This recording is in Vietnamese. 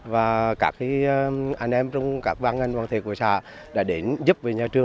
và các anh em trong các văn ngân văn thể quốc gia đã đến giúp với nhà trường